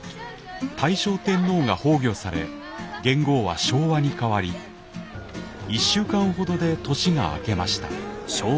大正天皇が崩御され元号は昭和に変わり１週間ほどで年が明けました。